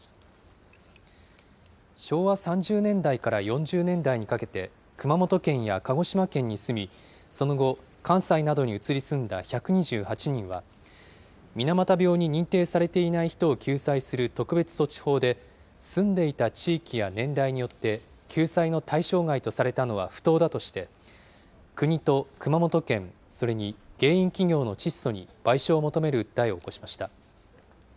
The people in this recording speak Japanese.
昭和３０年代から４０年代にかけて、熊本県や鹿児島県に住み、その後、関西などに移り住んだ１２８人は、水俣病に認定されていない人を救済する特別措置法で、住んでいた地域や年代によって、救済の対象外とされたのは不当だとして、国と熊本県、それに原因企業のチッソに賠償を求める訴えを起こしました。